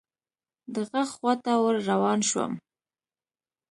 د ږغ خواته ور روان شوم .